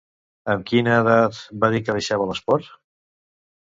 Amb quina edat va dir que deixava l'esport?